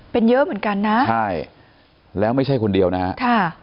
เป็นเยอะเหมือนกันนะใช่แล้วไม่ใช่คนเดียวนะฮะค่ะ